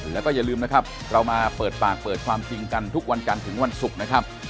แล้วก็อย่าลืมนะครับเรามาเปิดปากเปิดความจริงกันทุกวันจันทร์ถึงวันศุกร์นะครับ